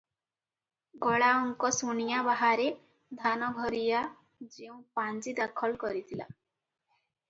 ଗଲାଅଙ୍କ ସୁନିଆଁ ବାହାରେ ଧାନଘରିଆ ଯେଉଁ ପାଞ୍ଜି ଦାଖଲ କରିଥିଲା